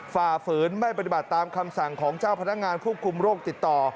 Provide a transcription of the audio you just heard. ฝ่าฝืนไม่ปฏิบัติตามคำสั่งของเจ้าพนักงานควบคุมโรคติดต่อ